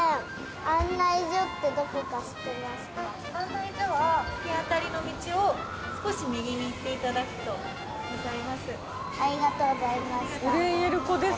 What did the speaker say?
案内所は突き当たりの道を少し右に行っていただくとございます。